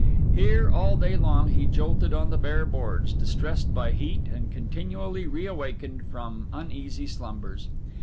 Here, all day long, he jolted on the bare boards, distressed by heat and continually reawakened from uneasy slumbers.